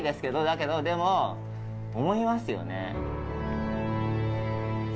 世韻でも思いますよね。